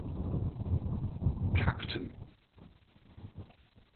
Cpt.